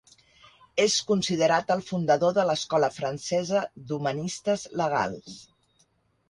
És considerat el fundador de l'escola francesa d'humanistes legals.